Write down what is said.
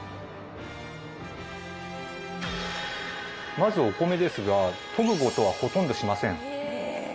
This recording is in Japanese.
まずお米ですが研ぐ事はほとんどしません。